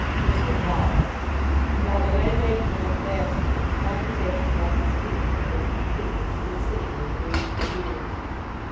This was barred, and while the landlady was unfastening it the conversation about the skimmington was continued in the sitting room, and reached his ears.